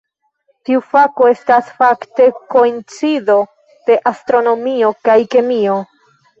Tiu fako estas fakte koincido de astronomio kaj kemio.